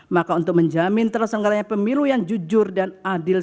maka untuk menjamin tersenggaranya pemilu yang jujur dan adil